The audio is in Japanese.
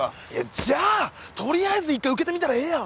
じゃあとりあえず一回受けてみたらええやん。